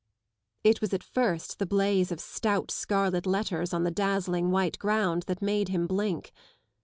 It was at first the blaze of stout scarlet letters on the dazzling white ground that made him blink.